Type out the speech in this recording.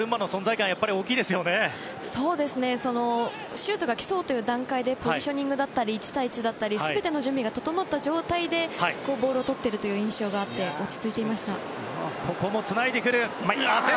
シュートが来そうという段階でポジショニングだったり１対１だったり全ての準備が整った状態でボールをとっている印象があって落ち着いていました。